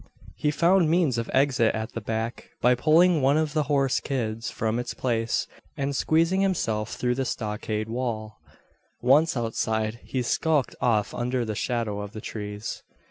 He found means of exit at the back, by pulling one of the horse hides from its place, and squeezing himself through the stockade wall. Once outside, he skulked off under the shadow of the trees.